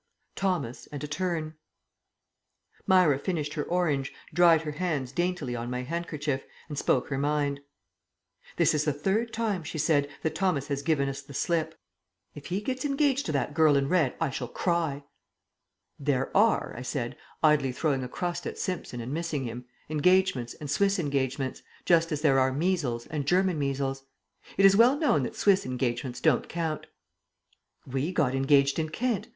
THOMAS, AND A TURN Myra finished her orange, dried her hands daintily on my handkerchief, and spoke her mind. "This is the third time," she said, "that Thomas has given us the slip. If he gets engaged to that girl in red I shall cry." "There are," I said, idly throwing a crust at Simpson and missing him, "engagements and Swiss engagements just as there are measles and German measles. It is well known that Swiss engagements don't count." "We got engaged in Kent.